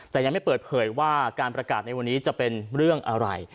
แต่ยังไม่เปิดเผยว่าการประกาศในวันนี้จะเป็นเรื่องอะไร